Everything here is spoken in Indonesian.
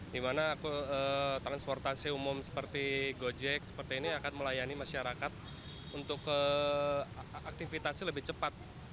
di mana transportasi umum seperti gojek seperti ini akan melayani masyarakat untuk aktivitasnya lebih cepat